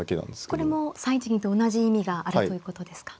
これも３一銀と同じ意味があるということですか。